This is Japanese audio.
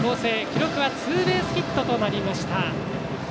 記録はツーベースヒットとなりました。